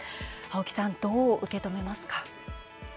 青木さん、どう受け止めますか？